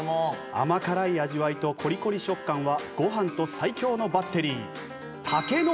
甘辛い味わいとコリコリ食感はご飯と最強のバッテリー。